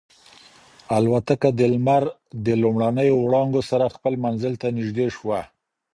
الوتکه د لمر د لومړنیو وړانګو سره خپل منزل ته نږدې شوه.